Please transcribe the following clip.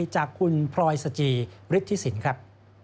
จากคุณพรอยสจีร์บริฐศิษฐ์ครับ